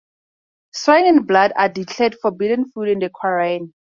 Swine and blood are declared forbidden food in the Qur'an.